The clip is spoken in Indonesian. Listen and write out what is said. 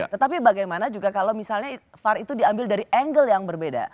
tetapi bagaimana juga kalau misalnya var itu diambil dari angle yang berbeda